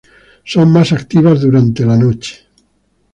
Son más activas durante la noche.